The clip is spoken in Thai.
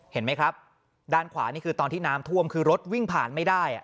เห็นไหมครับด้านขวานี่คือตอนที่น้ำท่วมคือรถวิ่งผ่านไม่ได้